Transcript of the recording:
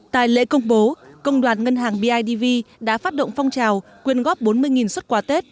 tại lễ công bố công đoàn ngân hàng bidv đã phát động phong trào quyên góp bốn mươi xuất quà tết